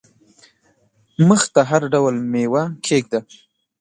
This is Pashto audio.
مخ ته هر ډول مېوه کښېږده !